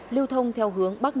lưu thông theo hướng bắc điển